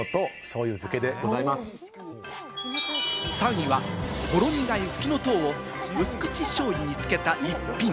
３位は、ほろ苦いフキノトウを薄口しょうゆにつけた一品。